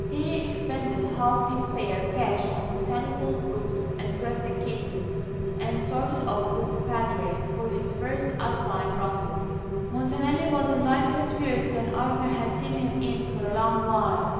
He expended half his spare cash on botanical books and pressing cases, and started off with the Padre for his first Alpine ramble. Montanelli was in lighter spirits than Arthur had seen him in for a long while.